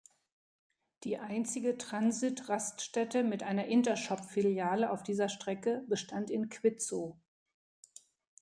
Die einzige Transit-Raststätte mit einer Intershop-Filiale auf dieser Strecke bestand in Quitzow.